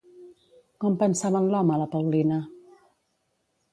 Com pensava en l'home la Paulina?